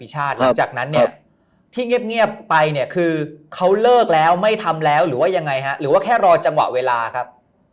หลังจากนั้นเนี่ยที่เงียบไปเนี่ยคือเขาเลิกแล้วไม่ทำแล้วหรือว่ายังไงฮะหรือว่าแค่รอจังหวะเวลาครับ